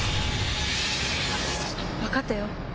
分かったよ！